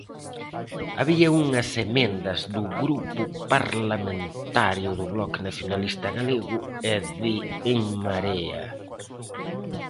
Había unhas emendas do Grupo Parlamentario do Bloque Nacionalista Galego e de En Marea.